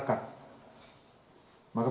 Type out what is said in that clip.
maka pemerintah mencermati perubahan ormas islam besar